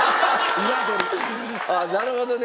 ああなるほどね。